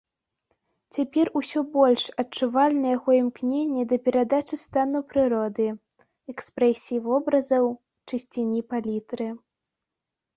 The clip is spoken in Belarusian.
Цяпер усё больш адчувальна яго імкненне да перадачы стану прыроды, экспрэсіі вобразаў, чысціні палітры.